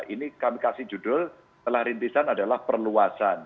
ini kami kasih judul telah rintisan adalah perluasan